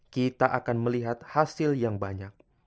kita akan melihat hasil yang banyak